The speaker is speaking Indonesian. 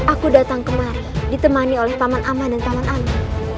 aku datang kemana ditemani oleh paman aman dan taman anda